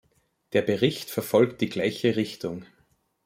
Der Bericht verfolgt die gleiche Richtung.